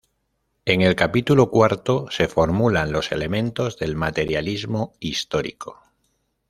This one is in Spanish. En el capítulo cuarto se formulan los elementos del materialismo histórico.